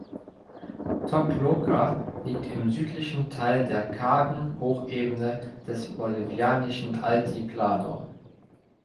Tocloca liegt im südlichen Teil der kargen Hochebene des bolivianischen Altiplano.